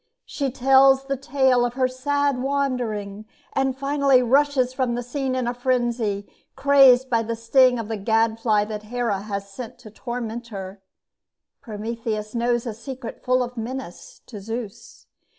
She tells the tale of her sad wandering, and finally rushes from the scene in frenzy, crazed by the sting of the gadfly that Hera has sent to torment her. Prometheus knows a secret full of menace to Zeus.